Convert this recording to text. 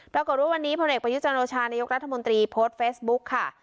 แล้วก็รู้ว่าวันนี้พลังเอกประยุจนโรชานายยกรัฐมนตรีโพสต์เฟสบุ๊คค่ะ